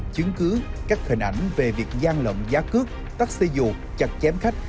chứng cứ các hình ảnh về việc gian lộng giá cước taxi dù chặt chém khách